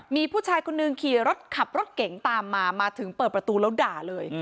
มีผู้ชายคนหนึ่งขี่รถขับรถเก่งตามมามาถึงเปิดประตูแล้วด่าเลย